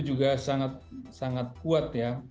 juga sangat kuat ya